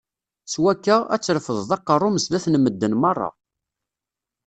S wakka, ad trefdeḍ aqerru-m zdat n medden meṛṛa.